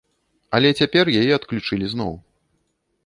Але цяпер яе адключылі зноў.